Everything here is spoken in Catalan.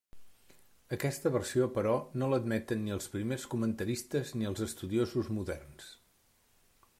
Aquesta versió, però, no l'admeten ni els primers comentaristes ni els estudiosos moderns.